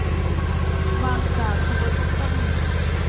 บางจาก คอร์ปอเรชั่น